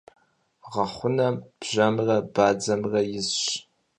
Гъэхъунэм бжьэмрэ бадзэмрэ изщ.